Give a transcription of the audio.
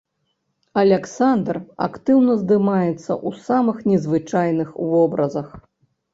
Аляксандр актыўна здымаецца ў самых незвычайных вобразах.